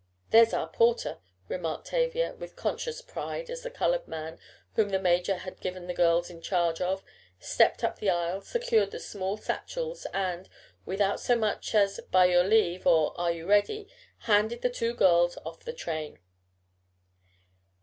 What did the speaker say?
"There's our porter," remarked Tavia; with conscious pride as the colored man, whom the major had given the girls in charge of, stepped up the aisle, secured the small satchels and, without so much as, "by your leave," or, "are you ready," handed the two girls off the train.